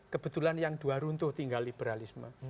kebetulan yang dua runtuh tinggal liberalisme